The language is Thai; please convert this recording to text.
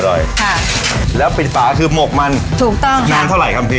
ครับแล้วปิดฝาก็คือมกมันถูกต้องครับนานเท่าไรครับพี่